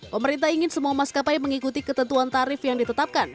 pemerintah ingin semua maskapai mengikuti ketentuan tarif yang ditetapkan